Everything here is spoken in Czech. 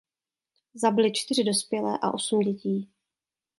Zabili čtyři dospělé a osm dětí.